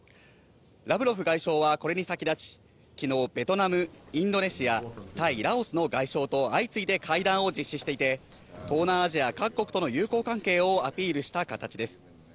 ラブロフ外相は、これに先立ち昨日、ベトナム、インドネシア、タイ、ラオスの外相と相次いで会談を実施していて、東南アジア各国との友好関係をアピールした形です。